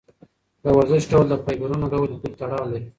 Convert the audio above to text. د ورزش ډول د فایبرونو ډول پورې تړاو لري.